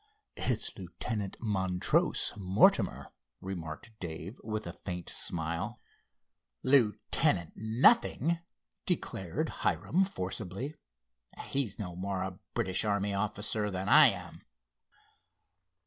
"It's Lieutenant Montrose Mortimer," remarked Dave with a faint smile. "Lieutenant nothing!" declared Hiram forcibly. "He's no more a British army officer than I am."